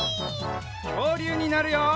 きょうりゅうになるよ！